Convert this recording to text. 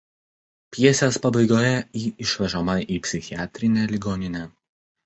Pjesės pabaigoje ji išvežama į psichiatrinę ligoninę.